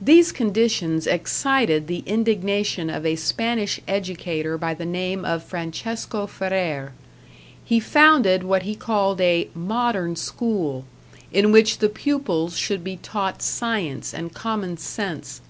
These conditions excited the indignation of a Spanish educator by the name of Francesco Ferrer. He founded what he called a "modern school", in which the pupils should be taught science and common sense.